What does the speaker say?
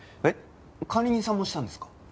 えっ管理人さんもしたんですか？